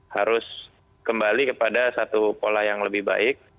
harus kembali kepada satu pola yang lebih baik